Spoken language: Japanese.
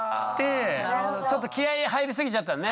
ちょっと気合い入りすぎちゃったね。